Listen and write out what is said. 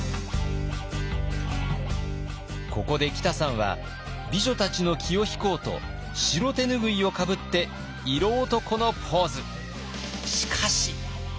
ここできたさんは美女たちの気を引こうと白手拭いをかぶって色男のポーズ。